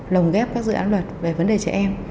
lồng ghép các dự án luật về vấn đề trẻ em